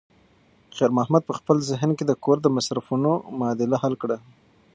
خیر محمد په خپل ذهن کې د کور د مصرفونو معادله حل کړه.